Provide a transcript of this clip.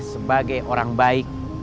sebagai orang baik